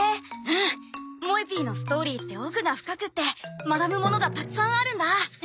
うん！もえＰのストーリーって奥が深くって学ぶものがたくさんあるんだ。